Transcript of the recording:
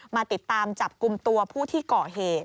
มาติดตามจับกลุ่มตัวผู้ที่ก่อเหตุ